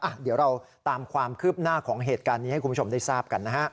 เดี๋ยวเราตามความคืบหน้าของเหตุการณ์นี้ให้คุณผู้ชมได้ทราบกันนะฮะ